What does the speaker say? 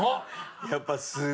やっぱすごいわ。